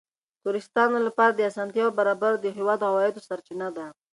د توریستانو لپاره د اسانتیاوو برابرول د هېواد د عوایدو سرچینه ده.